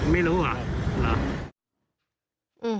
ไม่รู้